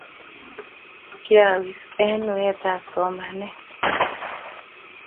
kiawiss eng wetab somanee..